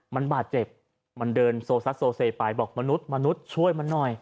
มันบาดเจ็บมันเดินโซซัดโซเซไปบอกมนุษย์มนุษย์ช่วยมันหน่อย